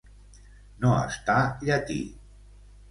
No estar llatí.